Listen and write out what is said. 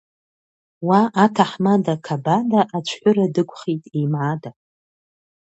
Уа, аҭаҳмада-қабада ацәҳәыра дықәхеит еимаада.